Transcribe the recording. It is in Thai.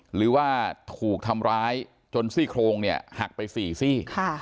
หรือว่าถูกทำร้ายจนซี่โครงเนี่ยหักไป๔ซี่